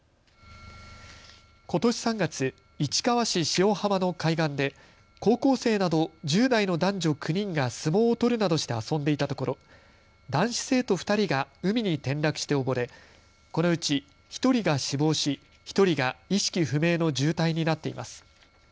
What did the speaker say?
ことし３月、市川市塩浜の海岸で高校生など１０代の男女９人が相撲を取るなどして遊んでいたところ男子生徒２人が海に転落して溺れこのうち１人が死亡し１人が意識不明の重体になっています。